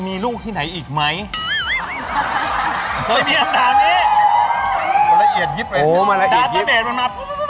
มันมีเหตุการณ์